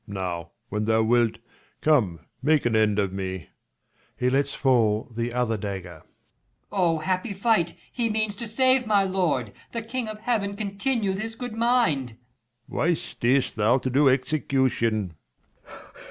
Now, when thou wilt, come make an end of me. \_He lets fall the other dagger. Per. Oh, happy fight ! he means to save my lord. 295 The king of heaven continue this good mind. Leir. Why stay'st thou to do execution